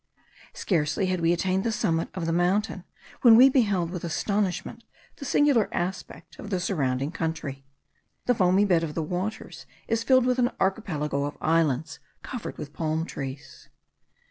Scarcely had we attained the summit of the mountain when we beheld with astonishment the singular aspect of the surrounding country. The foamy bed of the waters is filled with an archipelago of islands covered with palm trees.